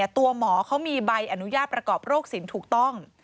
ตัวหมอเขามีใบอนุญาตประกอบโรคสินถูกต้อง